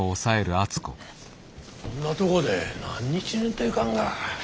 こんなとこで何日寝んといかんが。